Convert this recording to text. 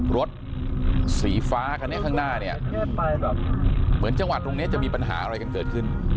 รถสีฟ้าคันนี้ข้างหน้าเนี่ยเหมือนจังหวัดตรงนี้จะมีปัญหาอะไรกันเกิดขึ้น